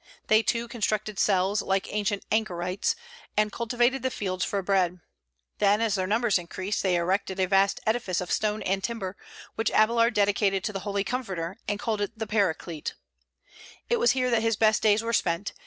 They, too, constructed cells, like ancient anchorites, and cultivated the fields for bread. Then, as their numbers increased, they erected a vast edifice of stone and timber, which Abélard dedicated to the Holy Comforter, and called the Paraclete. It was here that his best days were spent.